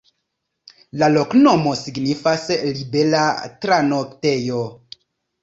La loknomo signifas: libera-tranoktejo.